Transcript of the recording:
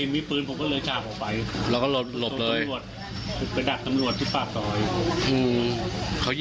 ไม่เคย